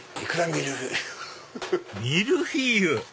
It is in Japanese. ミルフィーユ⁉